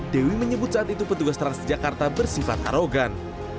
dewi menyebut saat itu petugas transjakarta bersifat arogan